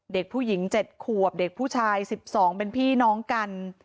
เด็กผู้หญิง๗ขวบเด็กผู้ชาย๑๒เป็นพี่น้องกัน